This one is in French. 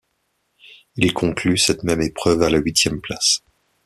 Il conclut cette même épreuve à la huitième place.